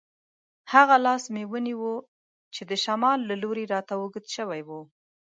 هغه لاس مې ونیو چې د شمال له لوري راته اوږد شوی وو.